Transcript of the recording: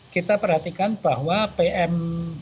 kita perhatikan bahwa pm dua puluh lima dua ribu dua puluh